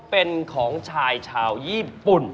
เป็นของชายชาวญี่ปุ่น